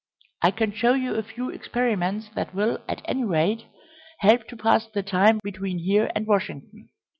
I can show you a few experiments that will, at any rate, help to pass the time between here and Washington."